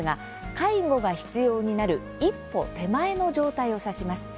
介護が必要になる一歩手前の状態を指します。